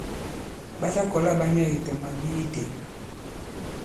Ɓa ta kɔla ɓa nyɛ ki tɔ màbi itē.